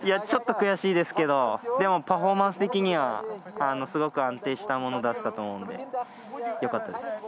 ちょっと悔しいですけどパフォーマンス的にはすごく安定したものを出せたと思うのでよかったです。